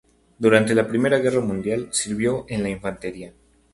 Durante la primera guerra mundial sirvió en la infantería.